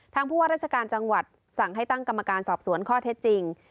ผู้ว่าราชการจังหวัดสั่งให้ตั้งกรรมการสอบสวนข้อเท็จจริง